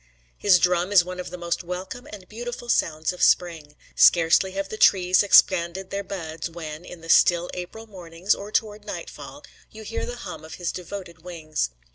His drum is one of the most welcome and beautiful sounds of spring. Scarcely have the trees expanded their buds, when, in the still April mornings, or toward nightfall, you hear the hum of his devoted wings.